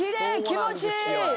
気持ちいい！